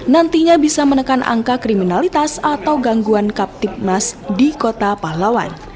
nantinya bisa menekan angka kriminalitas atau gangguan kaptipnas di kota pahlawan